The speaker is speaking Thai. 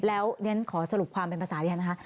แล้วฉะนั้นขอสรุปความเป็นภาษาดีฮะนะคะ